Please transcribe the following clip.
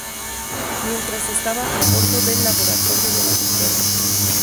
Mientras estaba a bordo del laboratorio de la Dra.